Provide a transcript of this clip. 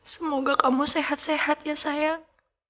semoga kamu sehat sehat ya sayang